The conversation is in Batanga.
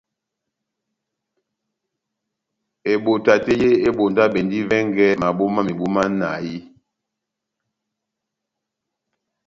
Ebota tɛ́h yé ebondabɛndi vɛngɛ mabo mámebu manahi.